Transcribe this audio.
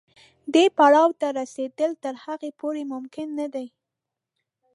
دې پړاو ته رسېدل تر هغې پورې ممکن نه دي.